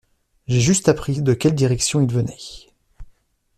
J’ai juste appris de quelle direction ils venaient.